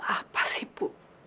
apa sih bu